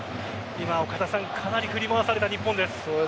今、かなり振り回された日本です。